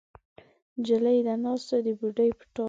نجلۍ ده ناسته د بوډۍ په ټال کې